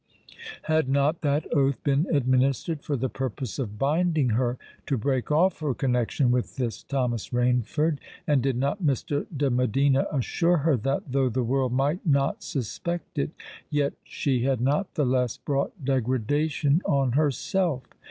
Had not that oath been administered for the purpose of binding her to break off her connexion with this Thomas Rainford? And did not Mr. de Medina assure her that, though the world might not suspect it, yet she had not the less brought degradation on herself?